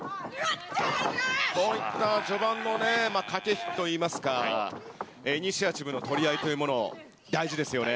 こういった序盤のね、駆け引きといいますか、イニシアチブの取り合いというものも大事ですよね。